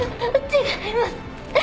違います。